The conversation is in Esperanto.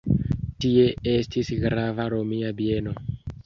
Tie estis grava romia bieno.